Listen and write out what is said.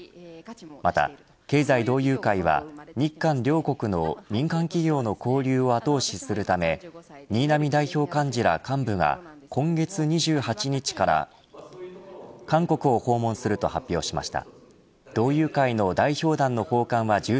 また経済同友会は、日韓両国の民間企業の交流を後押しするため新浪代表幹事ら幹部が今月２８日から韓国を訪問すると発表しました。